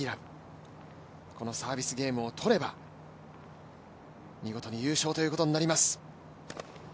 このサービスゲームを取れば見事に優勝ということになります。